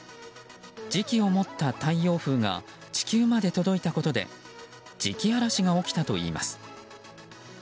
磁気を持った太陽風が地球まで届いたことで磁気嵐が起きたといいます。